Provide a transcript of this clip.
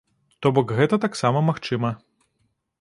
То бок гэта таксама магчыма.